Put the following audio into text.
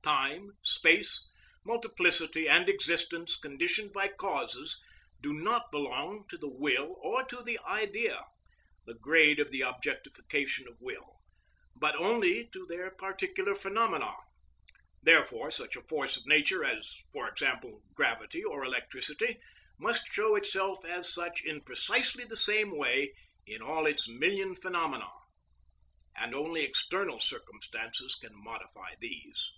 Time, space, multiplicity, and existence conditioned by causes, do not belong to the will or to the Idea (the grade of the objectification of will), but only to their particular phenomena. Therefore such a force of nature as, for example, gravity or electricity, must show itself as such in precisely the same way in all its million phenomena, and only external circumstances can modify these.